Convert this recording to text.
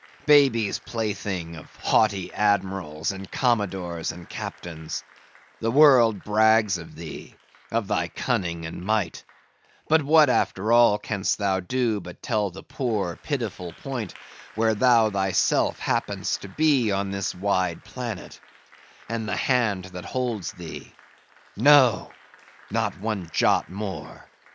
babies' plaything of haughty Admirals, and Commodores, and Captains; the world brags of thee, of thy cunning and might; but what after all canst thou do, but tell the poor, pitiful point, where thou thyself happenest to be on this wide planet, and the hand that holds thee: no! not one jot more!